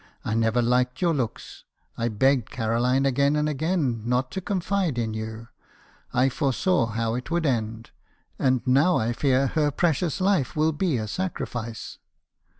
I never liked your looks. I begged Caroline again and again not to confide in you. I foresaw how it would end. And now I fear her pre cious life will be a sacrifice.'